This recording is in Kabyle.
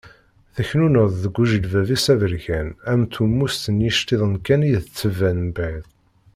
Teknuneḍ deg uǧilbab-is aberkan am twemmust n yiceṭṭiḍen kan i d-tettban mebɛid.